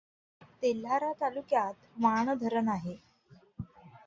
तेल्हारा तालुक्यात वान धरण आहे.